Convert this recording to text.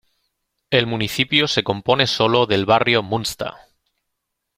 El municipio se compone sólo del barrio Munster.